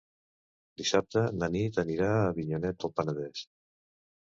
Dissabte na Nit anirà a Avinyonet del Penedès.